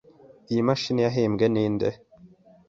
Iyi mashini yahimbwe ninde?